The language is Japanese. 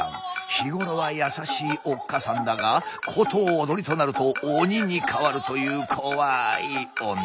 日頃は優しいおっかさんだが殊踊りとなると鬼に変わるという怖い女。